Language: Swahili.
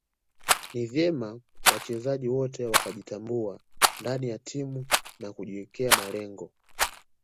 Ni vyema wachezaji wote wakajitambua ndani ya timu na kujiwekea malengo